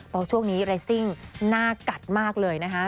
เพราะช่วงนี้เรซิ่งหน้ากัดมากเลยนะคะ